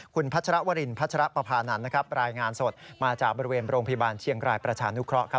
คุณพัชรวรินพัชรปภานันทร์นะครับรายงานสดมาจากบริเวณโรงพยาบาลเชียงรายประชานุเคราะห์